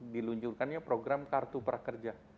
diluncurkannya program kartu prakerja